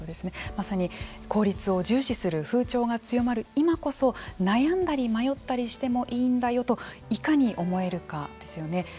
まさに効率を重視する風潮が強まる今こそ悩んだり迷ったりしてもいいんだよといかに思えるかですよね。